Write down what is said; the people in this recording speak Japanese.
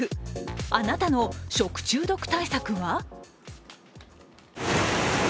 あなたの食中毒対策は？